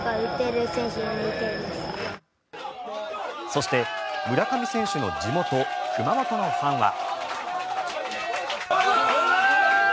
そして、村上選手の地元熊本のファンは。